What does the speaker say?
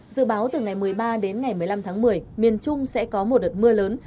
dự báo từ ngày một mươi ba đến ngày một mươi năm tháng một mươi miền trung sẽ có một đợt mưa lớn